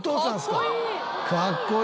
かっこいいなあ。